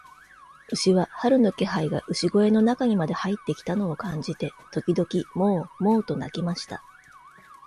牛は、春の気配が牛小屋の中にまで入ってきたのを感じて、時々モウ、モウと鳴きました。